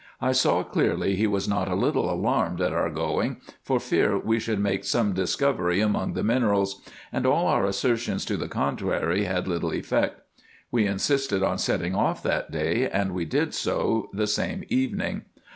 I saw clearly he was not a little alarmed at our going, for fear we should make some discovery among the minerals ; and all our assertions to the contrary had little effect. We insisted on setting off that day, and we did so the same evening.